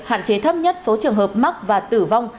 hạn chế thấp nhất số trường hợp mắc và tử vong